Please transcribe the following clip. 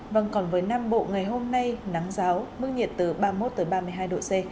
vâng còn với nam bộ ngày hôm nay nắng giáo mức nhiệt từ ba mươi một ba mươi hai độ c